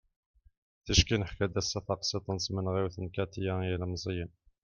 ticki neḥka-d ass-a taqsiḍt n tmenɣiwt n katia i yilmeẓyen